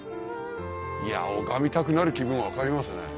拝みたくなる気分は分かりますね